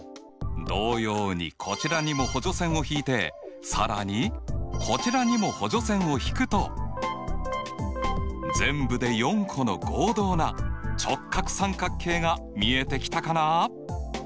同様にこちらにも補助線を引いて更にこちらにも補助線を引くと全部で４個の合同な直角三角形が見えてきたかな？